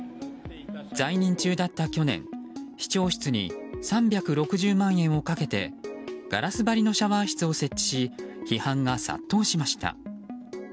在任中だった去年、市長室に３６０万円をかけてガラス張りのシャワー室を設置し批判が殺到しました。